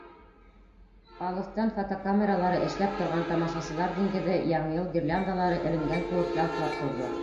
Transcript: Алыҫтан фотокамералары эшләп торған тамашасылар диңгеҙе Яңы йыл гирляндалары эленгән кеүек ялтлап торҙо.